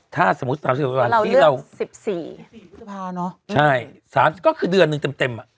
ถ้าสมมติเราเลือก๑๔ก็คือเดือนหนึ่งเต็ม